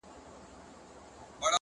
څنگه دي هېره كړمه ـ